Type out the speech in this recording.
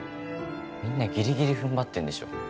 みんなギリギリふんばってんでしょ